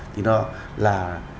thì nó là